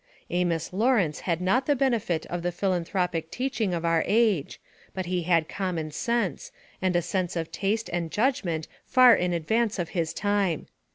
Amos Lawrence had not the benefit of the philanthropic teaching of our age, but he had a common sense, and a sense of taste and judgment far in advance of his time.